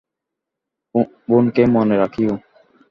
বোনকে মনে রাখিয়ো।